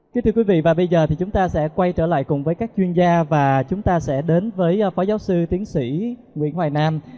kính thưa quý vị và bây giờ thì chúng ta sẽ quay trở lại cùng với các chuyên gia và chúng ta sẽ đến với phó giáo sư tiến sĩ nguyễn hoài nam